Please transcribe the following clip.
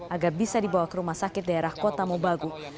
agar bisa dibawa ke rumah sakit daerah kota mubagu